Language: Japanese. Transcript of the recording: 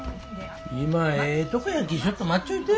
今ええとこやけぇちょっと待っちょいて。